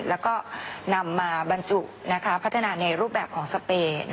แล้วก็นำมาบรรจุพัฒนาในรูปแบบของสเปย์